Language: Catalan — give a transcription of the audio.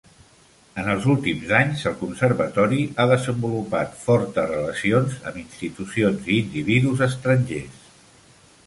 En els últims anys, el Conservatori ha desenvolupat fortes relacions amb institucions i individus estrangers.